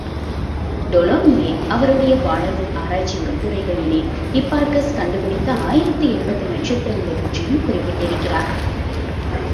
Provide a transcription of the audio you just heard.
டோலமியே, அவருடைய வானநூல் ஆராய்ச்சிக் கட்டுரைகளிலே, ஹிப்பார்க்கஸ் கண்டு பிடித்த ஆயிரத்து எண்பது நட்சத்திரங்களைப் பற்றியும் குறிப்பிட்டிருக்கிறார்.